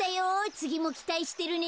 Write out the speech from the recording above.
つぎもきたいしてるね。